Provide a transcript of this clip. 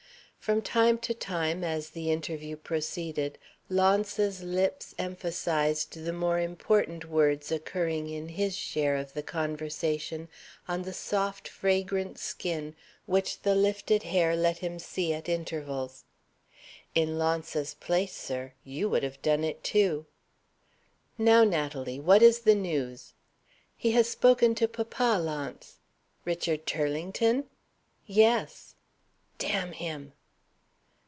From time to time, as the interview proceeded, Launce's lips emphasized the more important words occurring in his share of the conversation on the soft, fragrant skin which the lifted hair let him see at intervals. In Launce's place, sir, you would have done it too. "Now, Natalie, what is the news?" "He has spoken to papa, Launce." "Richard Turlington?" "Yes." "D n him!"